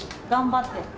頑張って。